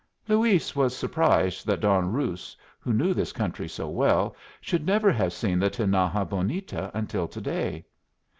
Luis was surprised that Don Ruz, who knew this country so well, should never have seen the Tinaja Bonita until to day.